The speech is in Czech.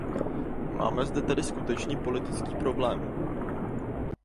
Máme zde tedy skutečný politický problém.